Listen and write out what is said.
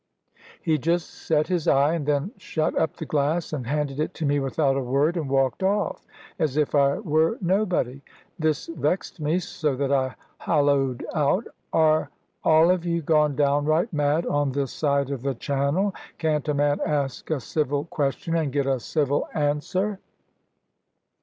He just set his eye, and then shut up the glass, and handed it to me without a word and walked off, as if I were nobody! This vexed me, so that I holloaed out: "Are all of you gone downright mad on this side of the Channel? Can't a man ask a civil question, and get a civil answer?"